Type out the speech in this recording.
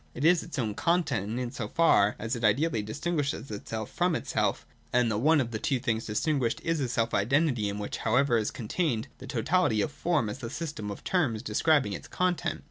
It is its own content, in so far as it ideally distinguishes itself from itself, and the one of the two things distinguished is a self identity in which however is contained the totality of the form as the system of terms describing its content.